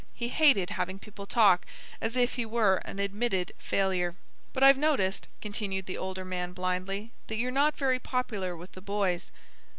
He hated having people talk as if he were an admitted failure. "But I've noticed," continued the older man blindly, "that you're not very popular with the boys."